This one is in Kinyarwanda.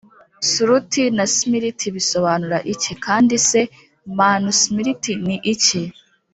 sruti na smriti bisobanura iki, kandi se manu smriti ni iki?